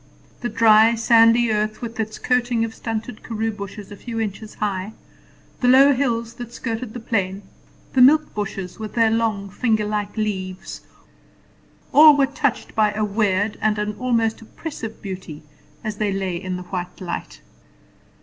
The dry, sandy earth, with its coating of stunted karoo bushes a few inches high, the low hills that skirted the plain, the milk bushes with their long finger like leaves, all were touched by a weird and an almost oppressive beauty as they lay in the white light.